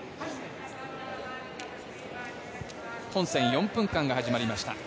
本戦４分間が始まりました。